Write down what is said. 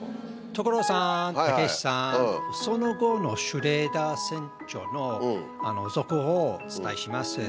所さん、たけしさん、その後のシュレーダー船長の続報をお伝えします。